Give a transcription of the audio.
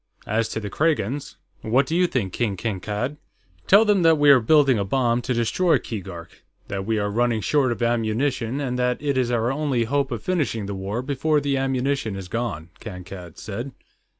As to the Kragans.... What do you think, King Kankad?" "Tell them that we are building a bomb to destroy Keegark; that we are running short of ammunition, and that it is our only hope of finishing the war before the ammunition is gone," Kankad said.